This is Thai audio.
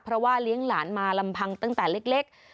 เพราะว่าเลี้ยงหลานมาลำพังตั้งแต่เล็ก